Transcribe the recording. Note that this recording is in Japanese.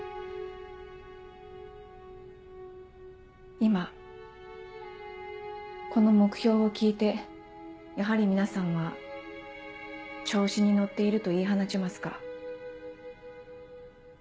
今この目標を聞いてやはり皆さんは調子に乗っていると言い放ちますか？